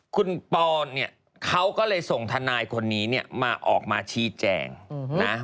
คุณปอล์เขาก็เลยส่งทนายคนนี้ออกมาชี้แจงนะ